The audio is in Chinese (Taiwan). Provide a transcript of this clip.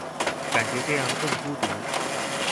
感覺這樣更孤獨